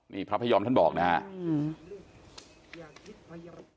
นี่พระพยอมท่านบอกนะครับ